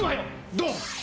ドン。